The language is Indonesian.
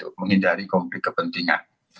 untuk menghindari konflik kepentingan